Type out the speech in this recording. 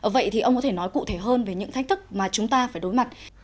vậy thì ông có thể nói cụ thể hơn về những thách thức mà chúng ta phải đối mặt